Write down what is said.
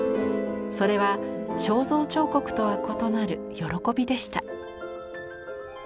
それは肖像彫刻とは異なる「喜び」でした。